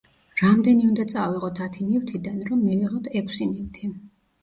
რამდენი უნდა წავიღოთ ათი ნივთიდან, რომ მივიღოთ ექვსი ნივთი?